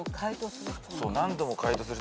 「何度も解答する」